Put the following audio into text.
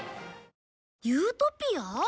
ユートピア？